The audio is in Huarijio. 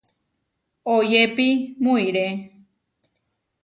Oyépi muʼiré.